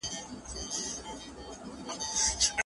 فرض کفايي علم د اجتهاد او فتوې ورکولو لپاره دی.